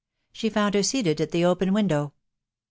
She found her seated at the open window.